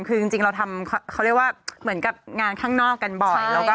คือจริงเราทำเขาเรียกว่าเหมือนกับงานข้างนอกกันบ่อย